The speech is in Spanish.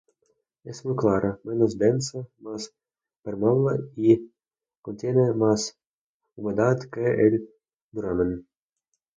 Es más clara, menos densa, más permeable y contiene más humedad que el duramen.